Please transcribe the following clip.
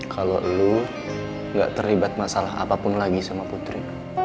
kalo lo gak terlibat masalah apapun lagi sama putri